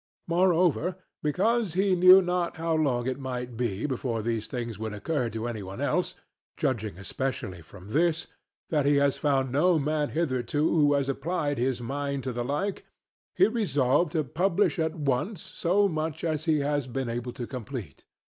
Moreover, because he knew not how long it might be before these things would occur to any one else, judging especially from this, that he has found no man hitherto who has applied his mind to the like, he resolved to publish at once so much as he has been able to complete.